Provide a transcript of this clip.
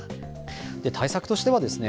対策としてはですね